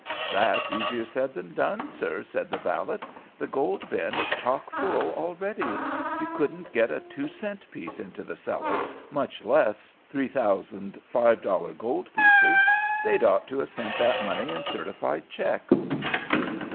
"That's easier said than done, sir," said the valet. "The gold bin is chock full already. You couldn't get a two cent piece into the cellar, much less three thousand five dollar gold pieces. They'd ought to have sent that money in certified checks."